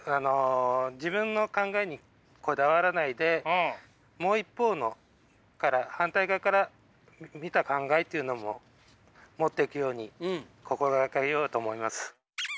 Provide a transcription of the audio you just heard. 自分の考えにこだわらないでもう一方のから反対側から見た考えというのも持っていくように心掛けようと思います。